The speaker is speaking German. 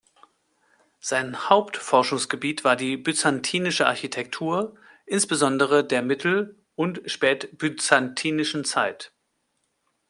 Sein Hauptforschungsgebiet war die byzantinische Architektur, insbesondere der mittel- und spätbyzantinischen Zeit.